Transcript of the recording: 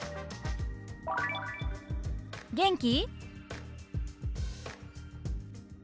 「元気？」。